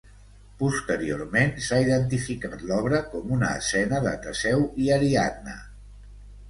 Posteriorment, s’ha identificat l’obra com una escena de Teseu i Ariadna.